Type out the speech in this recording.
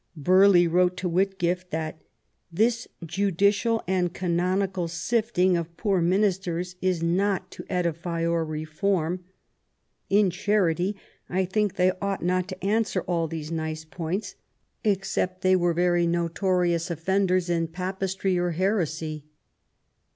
Burghley wrote to Whitgift that " this judicial and canonical sifting of poor ministers is not to edify or reform. In charity I think they ought not to answer all these nice points, except they were very notor ious offenders in Papistry or heresy.